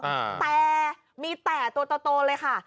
แต่มีแต่ตัวเลยค่ะ